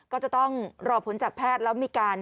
ก็จะต้องรอผลจากแพทย์แล้วมีการ